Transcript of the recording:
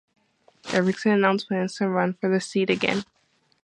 Erickson announced plans to run for the seat again.